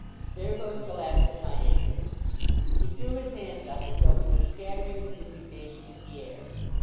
There goes the last of my anger." He threw his hands up as though he were scattering his indignation to the air.